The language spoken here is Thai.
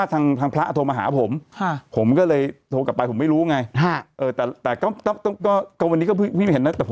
โดมนักโดมนุ่มนังจะตายแทนโดมนัก